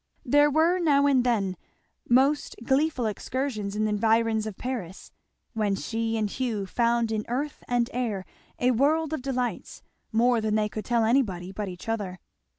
There were now and then most gleeful excursions in the environs of Paris, when she and Hugh found in earth and air a world of delights more than they could tell anybody but each other.